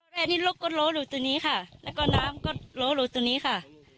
แบบนี้ลูกก็ล้อหลู่ตรงนี้ค่ะแล้วก็น้ำก็ล้อหลู่ตรงนี้ค่ะ